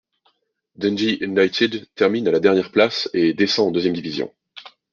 Dundee United termine à la dernière place et descend en deuxième division.